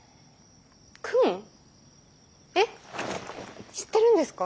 えっ知ってるんですか？